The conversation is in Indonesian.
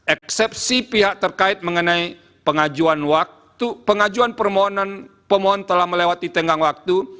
eksepsi pihak terkait mengenai pengajuan waktu pengajuan permohonan pemohon telah melewati tenggang waktu